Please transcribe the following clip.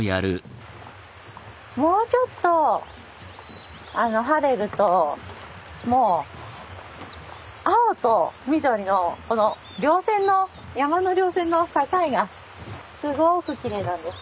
もうちょっと晴れるともう青と緑のこのりょう線の山のりょう線の境がすごくきれいなんです。